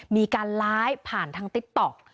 มีการไลฟ์ผ่านทางติ๊กต๊อก